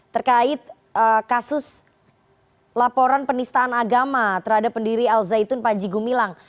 terkait kasus laporan penistaan agama terhadap pendiri al zaitun panji gumilang